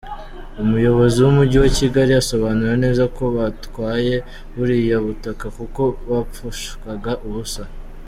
Umuyobozi w’umujyi wa Kigali asobanura neza ko batwaye buriya butaka kuko bwapfushwaga ubusa.